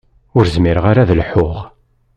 Ur zmireɣ ara ad lḥuɣ.